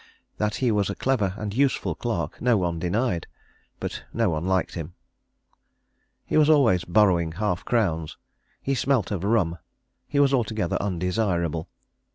That he was a clever and useful clerk no one denied, but no one liked him. He was always borrowing half crowns. He smelt of rum. He was altogether undesirable.